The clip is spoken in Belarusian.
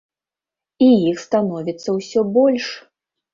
І іх становіцца ўсё больш.